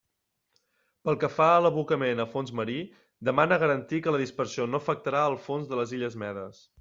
Pel que fa a l'abocament a fons marí, demana garantir que la dispersió no afectarà el fons de les illes Medes.